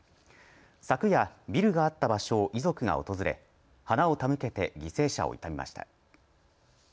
昨夜、ビルがあった場所を遺族が訪れ花を手向けて犠牲者を悼みました。